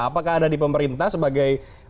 apakah ada di pemerintah sebagai